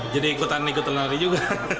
jadi ikutan ikut lelaki juga